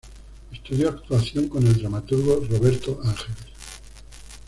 Estudió actuación con el dramaturgo Roberto Ángeles.